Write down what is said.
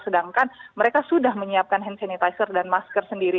sedangkan mereka sudah menyiapkan hand sanitizer dan masker sendiri